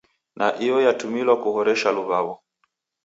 Na iyo yatumilwa kuhoresha luw'aw'o.